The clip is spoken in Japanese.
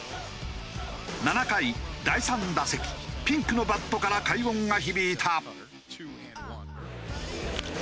７回第３打席ピンクのバットから快音が響いた。